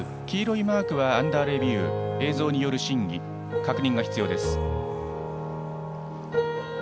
黄色いマークはアンダーレビュー映像による審議、確認が必要です。